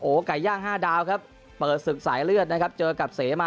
ไก่ย่าง๕ดาวครับเปิดศึกสายเลือดนะครับเจอกับเสมา